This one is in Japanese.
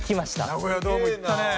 ナゴヤドーム行ったね。